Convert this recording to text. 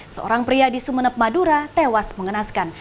seorang pria di sumeneb madura tewas mengenaskan